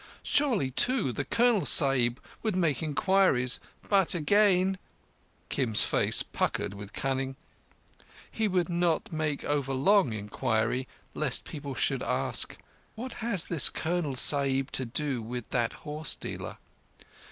Surely, too, the Colonel Sahib would make inquiries. But again,"—Kim's face puckered with cunning,—"he would not make overlong inquiry, lest people should ask: 'What has this Colonel Sahib to do with that horse dealer?